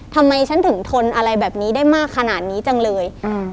ทำไมฉันถึงทนอะไรแบบนี้ได้มากขนาดนี้จังเลยอืม